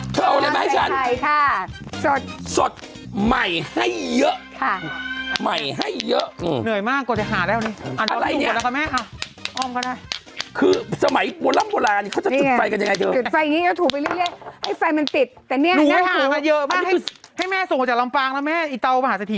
ดรจิลสูตรใหม่ดูกระจ่างใสกว่าเดิมหัวเดียวตอบโจทย์ปัญหาผิว